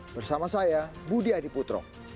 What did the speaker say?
bersama saya budi adiputro